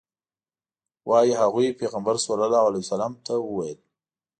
وایي هغوی پیغمبر صلی الله علیه وسلم ته وویل.